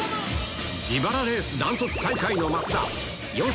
自腹レース断トツ最下位の増田